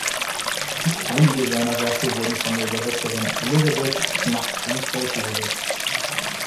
Einige seiner Werke wurden von der Übersetzerin Elisabeth Schnack ins Deutsche übersetzt.